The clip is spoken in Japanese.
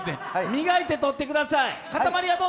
磨いて取ってください。